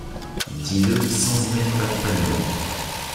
Dis-le sans y mettre d’accompagnement.